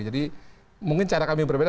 jadi mungkin cara kami berbeda